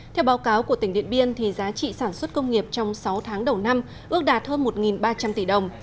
theo báo cáo của tỉnh điện biên giá trị sản xuất công nghiệp trong sáu tháng đầu năm ước đạt hơn một ba trăm linh tỷ đồng